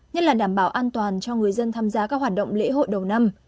nhất là đảm bảo an toàn cho người dân tham gia các hoạt động lễ hội đầu năm